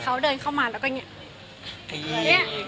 เขาเดินเข้ามาแล้วก็ตั้งใจ